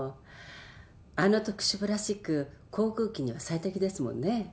あの特殊プラスチック航空機には最適ですもんね。